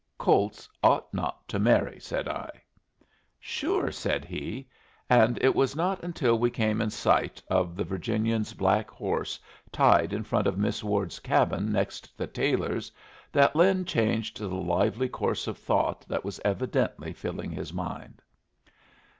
"Colts ought not to marry," said I. "Sure!" said he. And it was not until we came in sight of the Virginian's black horse tied in front of Miss Wood's cabin next the Taylors' that Lin changed the lively course of thought that was evidently filling his mind.